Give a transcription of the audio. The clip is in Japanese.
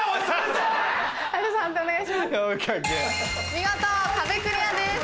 見事壁クリアです。